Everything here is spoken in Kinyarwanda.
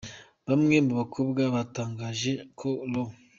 Bamwe mu bakobwa batangaje ko R.